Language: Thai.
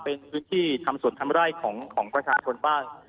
เป็นพื้นที่ทำสวนทำไร่ของประชาชนบ้าง